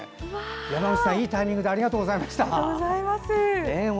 山口さん、いいタイミングでありがとうございました。